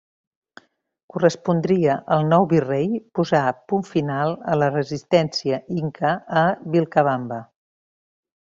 Correspondria al nou Virrei posar punt final a la resistència inca a Vilcabamba.